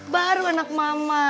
baru anak mama